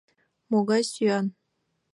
— Могай сӱан?